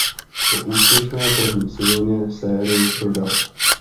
Po úspěšné první sezóně sérii prodal.